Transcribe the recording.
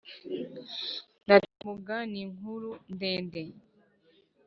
nati"muga ninkuru ndende